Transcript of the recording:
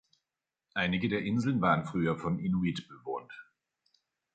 Einige der Inseln waren früher von Inuit bewohnt.